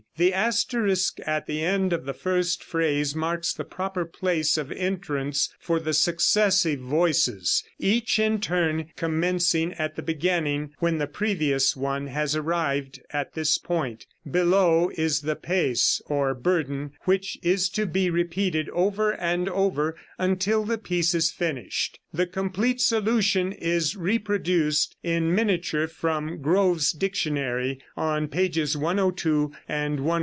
The asterisk at the end of the first phrase marks the proper place of entrance for the successive voices, each in turn commencing at the beginning when the previous one has arrived, at this point. Below is the pes, or burden, which is to be repeated over and over until the piece is finished. The complete solution is reproduced in miniature from Grove's Dictionary, on pages 102 and 103.